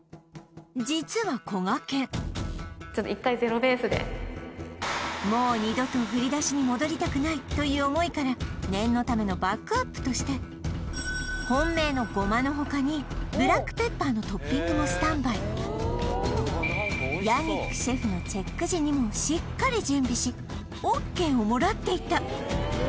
実はこがけん１回もうという思いから念のためのバックアップとして本命の胡麻のほかにブラックペッパーのトッピングもスタンバイヤニックシェフのチェック時にもしっかり準備しＯＫをもらっていた